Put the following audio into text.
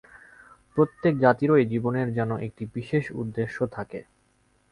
প্রত্যেক জাতিরই জীবনের যেন একটি বিশেষ উদ্দেশ্য থাকে।